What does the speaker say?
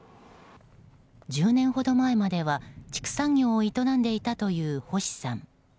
１０年ほど前までは畜産業を営んでいたという星さん。